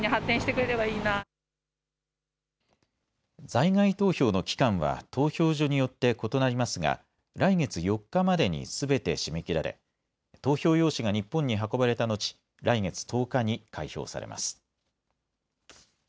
在外投票の期間は投票所によって異なりますが来月４日までにすべて締め切られ投票用紙が日本に運ばれた後、来月１０日に開票されます。